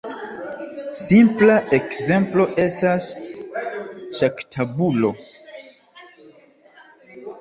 Simpla ekzemplo estas ŝaktabulo.